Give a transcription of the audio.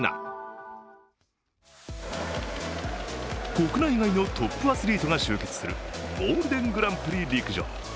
国内外のトップアスリートが集結するゴールデングランプリ陸上。